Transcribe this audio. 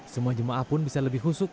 semua jemaah pun bisa lebih husuk